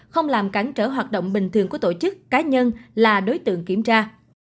không làm cản trở hoạt động bình thường của tổ chức cá nhân là đối tượng kiểm tra